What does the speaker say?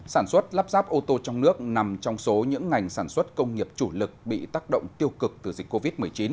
sản xuất lắp ráp ô tô trong nước nằm trong số những ngành sản xuất công nghiệp chủ lực bị tác động tiêu cực từ dịch covid một mươi chín